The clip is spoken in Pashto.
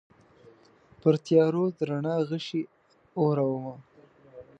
پرتیارو د رڼا غشي اورومه